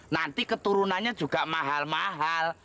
nanti keturunannya juga mahal mahal